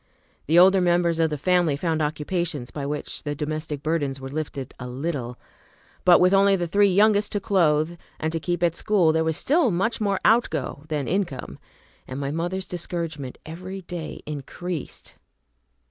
The older members of the family found occupations by which the domestic burdens were lifted a little; but, with only the three youngest to clothe and to keep at school, there was still much more outgo than income, and my mother's discouragement every day increased.